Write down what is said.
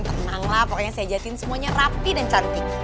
tenang lah pokoknya saya jahitin semuanya rapi dan cantik